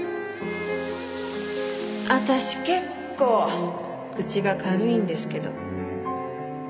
私結構口が軽いんですけど。